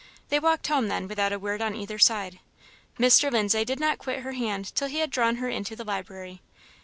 They walked home then without a word on either side. Mr. Lindsay did not quit her hand till he had drawn her into the library.